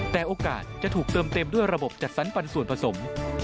แต่โอกาสจะถูกเติมเต็มด้วยระบบจัดสรรปันส่วนผสม